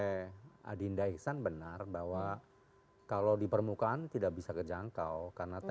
jadi siapa yang menjangkau